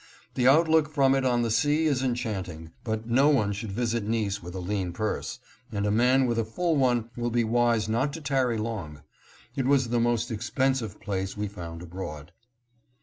The outlook from it on the sea is enchanting, but no one should visit Nice with a lean purse, and a man with a full one will be wise not to tarry long. It was the most expensive place we found abroad.